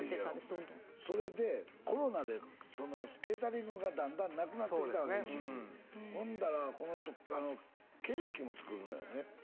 どんどんそれでコロナでケータリングがだんだんなくなってきたわけ一時ほんならこの人ケーキも作るのよね